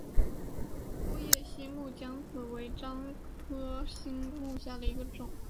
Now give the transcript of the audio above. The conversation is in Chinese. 波叶新木姜子为樟科新木姜子属下的一个种。